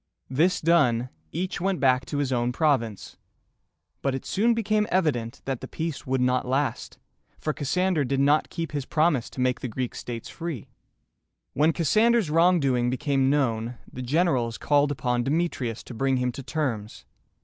This done, each went back to his own province; but it soon became evident that the peace would not last, for Cassander did not keep his promise to make the Greek states free. When Cassander's wrongdoing became known, the generals called upon Demetrius to bring him to terms.